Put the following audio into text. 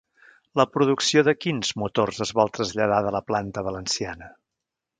La producció de quins motors es vol traslladar de la planta valenciana?